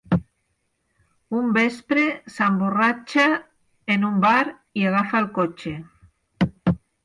Un vespre, s'emborratxa en un bar i agafa el cotxe.